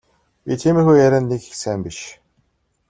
Би тиймэрхүү ярианд нэг их сайн биш.